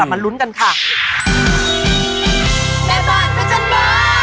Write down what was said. ค่อนหน้าสามารถลุ้นกันค่ะ